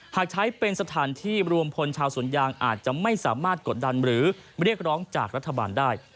หากใช้เป็นสถานที่รวมพลชาวสวนยางอาจจะไม่สามารถกดดันหรือเรียกร้องจากรัฐบาลได้